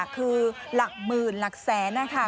คือหลักหมื่นหลักแสนนะคะ